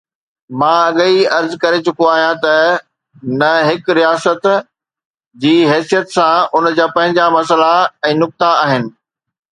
مان اڳيئي عرض ڪري چڪو آهيان ته نه، هڪ رياست جي حيثيت سان ان جا پنهنجا مسئلا ۽ نقطا آهن.